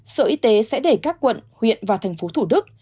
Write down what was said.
sở y tế sẽ để các quận huyện và thành phố thủ đức